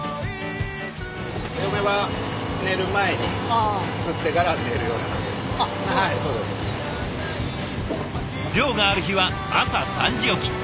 嫁は漁がある日は朝３時起き。